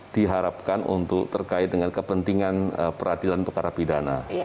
diharapkan untuk terkait dengan kepentingan peradilan pekara pidana